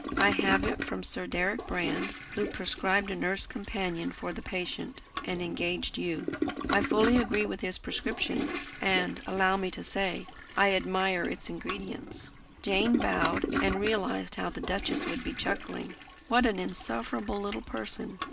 I have it from Sir Deryck Brand, who prescribed a nurse companion for the patient, and engaged you. I fully agreed with his prescription; and, allow me to say, I admire its ingredients." Jane bowed, and realised how the duchess would be chuckling. What an insufferable little person!